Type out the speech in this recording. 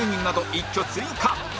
一挙追加！